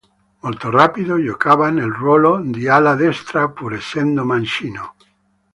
Molto rapido, giocava nel ruolo di ala destra, pur essendo mancino.